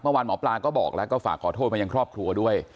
หมอปลาก็บอกแล้วก็ฝากขอโทษมายังครอบครัวด้วย